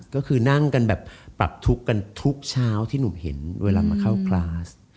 ก็คือนั่งกันแบบปรับทุกข์กันทุกเช้าที่หนุ่มเห็นเวลามาเข้าคลาส